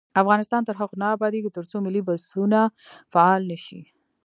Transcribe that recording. افغانستان تر هغو نه ابادیږي، ترڅو ملي بسونه فعال نشي.